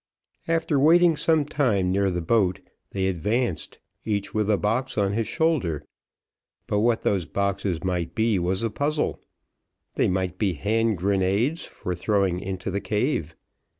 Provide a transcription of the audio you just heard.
After waiting some time near the boat, they advanced, each with a box on his shoulder; but what those boxes might be was a puzzle; they might be hand grenades for throwing into the cave.